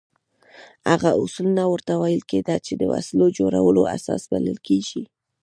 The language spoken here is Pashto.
هغه اصول نه ورته ویل کېده چې د وسلو جوړولو اساس بلل کېږي.